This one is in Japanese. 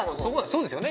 そうですよね。